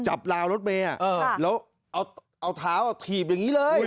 จับราวรถเมย์เออแล้วเอาเอาเท้าเอาถีบอย่างงี้เลย